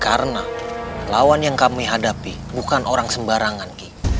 karena lawan yang kami hadapi bukan orang sembarangan ki